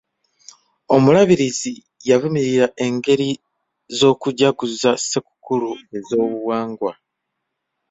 Omulabirizi yavumirira engeri z'okujaguza ssekukulu ez'obuwangwa.